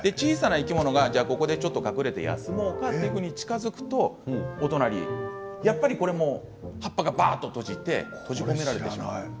小さな生き物が隠れて休もうかと近づくとお隣やっぱりこれも葉っぱが閉じて閉じ込められてしまいます。